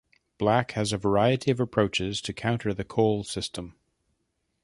Black has a variety of approaches to counter the Colle System.